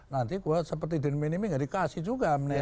nanti gue seperti dinminimi gak dikasih juga amnesti